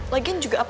lagian juga apa